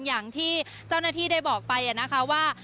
อย่างที่เจ้าหน้าที่ได้บอกไปนะคะว่า